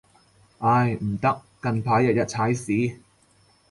唉，唔得，近排日日踩屎